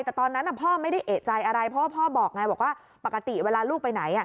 แต่ตอนนั้นน่ะพ่อไม่ได้เอ๋ใจอะไร